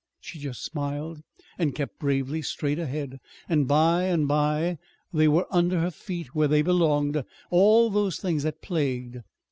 She just smiled and kept bravely straight ahead; and by and by they were under her feet, where they belonged all those things that plagued.